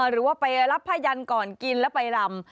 หรือว่าไปรับผ้ายันก่อนกินแล้วไปรำ